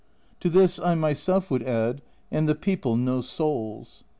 " To this, I myself would add, " and the people no souls."